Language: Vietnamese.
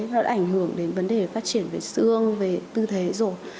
nó đã ảnh hưởng đến vấn đề phát triển về xương về tư thế rồi